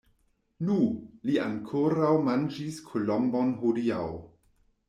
Nu! li ankoraŭ manĝis kolombon hodiaŭ.